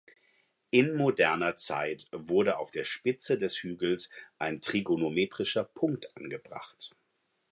In moderner Zeit wurde auf der Spitze des Hügels ein trigonometrischer Punkt angebracht.